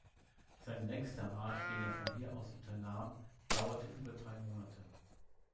Sein längster Marsch, den er von hier aus unternahm, dauerte über drei Monate.